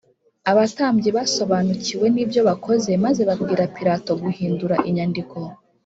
abatambyi basobanukiwe n’ibyo bakoze, maze babwira pilato guhindura inyandiko